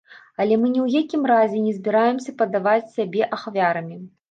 Але мы ні ў якім разе не збіраемся падаваць сябе ахвярамі.